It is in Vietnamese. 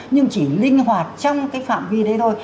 nhưng chỉ linh hoạt trong phạm vi đấy thôi